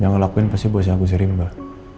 yang ngelakuin pasti bos yang kusiri mbah